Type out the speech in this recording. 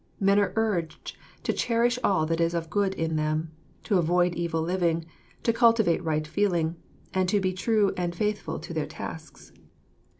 Men are urged to cherish all that is of good in them, to avoid evil living, to cultivate right feeling, and to be true and faithful to their tasks.